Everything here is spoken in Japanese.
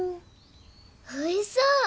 おいしそう！